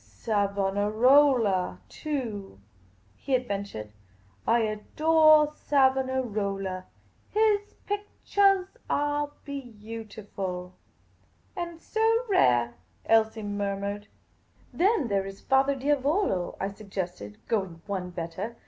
" Savonarola, too," he adventured. " I adore Savona rola. His pickchahs are beautiful." " And so rare !" Elsie murmured. "Then there is Era Diavolo ?" I suggested, going one better.